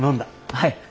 はい。